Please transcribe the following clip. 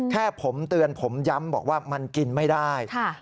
แค่ผมเตือนผมย้ำบอกว่ามันกินไม่ได้